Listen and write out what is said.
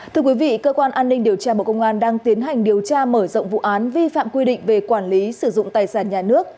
thưa quý vị cơ quan an ninh điều tra bộ công an đang tiến hành điều tra mở rộng vụ án vi phạm quy định về quản lý sử dụng tài sản nhà nước